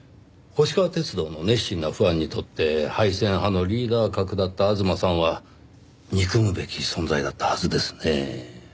星川鐵道の熱心なファンにとって廃線派のリーダー格だった吾妻さんは憎むべき存在だったはずですねぇ。